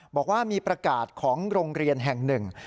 บอกว่ามีประกาศของโรงเรียนแห่งหนึ่ง